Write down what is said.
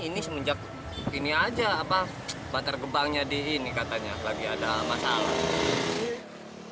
ini semenjak ini aja apa bantar gebangnya di ini katanya lagi ada masalah